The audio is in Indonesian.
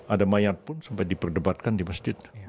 ada mayat pun sempat diperdebatkan di masjid